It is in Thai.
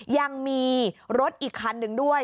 ยังมีรถอีกคันหนึ่งด้วย